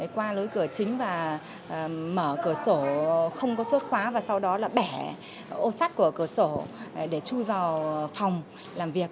qua lối cửa chính và mở cửa sổ không có chốt khóa và sau đó là bẻ ô sắt của cửa sổ để chui vào phòng làm việc